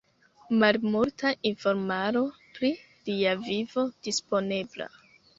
Malmulta informaro pri lia vivo disponebla.